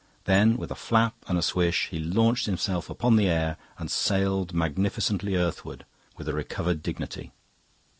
Then with a flap and swish he launched himself upon the air and sailed magnificently earthward, with a recovered dignity.